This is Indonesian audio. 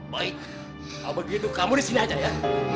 baik kalau begitu kamu di sini aja ya